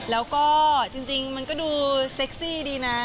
แล้วก็จริงมันก็ดูเซ็กซี่ดีนะ